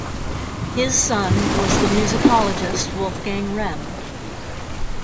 His son was the musicologist Wolfgang Rehm.